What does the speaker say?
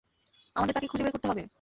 আমাদের তাকে খুঁজে বের করতে হবে।